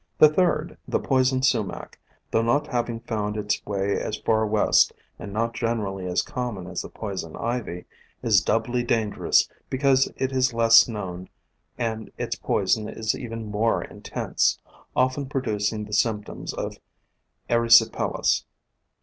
The third, the Poison Sumac, though not having found its way as far west and not generally as common as the Poison Ivy, is doubly dangerous because it is less known and its poison is even more intense, often producing the symptoms of erysipelas.